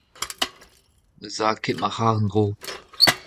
Ne'z a ket ma c'harr en-dro.